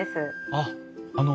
あっあの